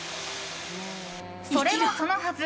それもそのはず